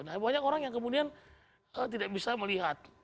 nah banyak orang yang kemudian tidak bisa melihat